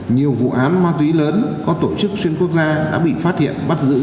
nhiều vụ án ma túy lớn có tổ chức xuyên quốc gia đã bị phát hiện bắt giữ